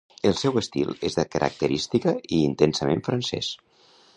El seu estil és de característica i intensament francès.